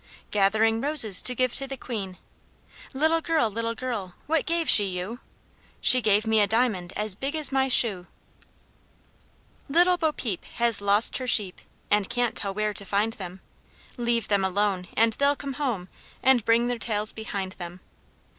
"Gathering roses to give to the queen." "Little girl, little girl, what gave she you?" "She gave me a diamond as big as my shoe." Little Bo peep has lost her sheep, And can't tell where to find them; Leave them alone, and they'll come home, And bring their tails behind them.